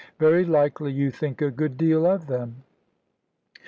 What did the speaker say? Very likely you think a good deal of them."